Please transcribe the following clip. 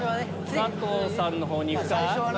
佐藤さんのほうに行くか。